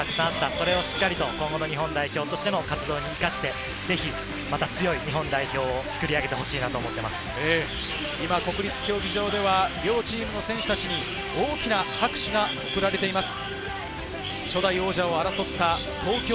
それを今後の日本代表としての活動に生かして、また強い日本代表を作り上げてほしいなと思って国立競技場では両チームの選手たちに大きな拍手が送られています。